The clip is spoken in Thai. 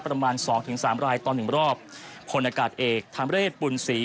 ประมาณสองถึงสามรายต่อหนึ่งรอบผลอากาศเอกธรรมเรศบุญศรี